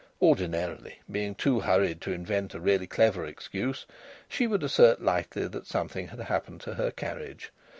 Ordinarily, being too hurried to invent a really clever excuse, she would assert lightly that something had happened to her carriage.